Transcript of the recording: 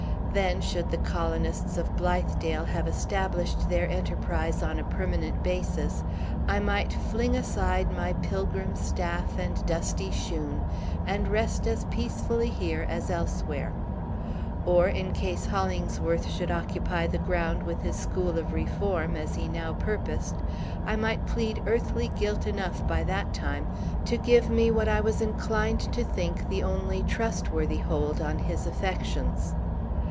Then, should the colonists of Blithedale have established their enterprise on a permanent basis, I might fling aside my pilgrim staff and dusty shoon, and rest as peacefully here as elsewhere. Or, in case Hollingsworth should occupy the ground with his School of Reform, as he now purposed, I might plead earthly guilt enough, by that time, to give me what I was inclined to think the only trustworthy hold on his affections.